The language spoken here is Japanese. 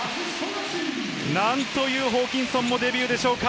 何というホーキンソンのデビューでしょうか。